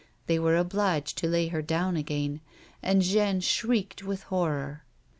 They were obliged to lay her down again, and Jeanne shrieked with horror.